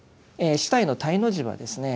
「四諦」の「諦」の字はですね